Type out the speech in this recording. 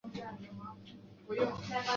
他甚至不再是一匹马了。